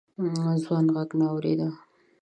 ځوان غږ نه اورېده.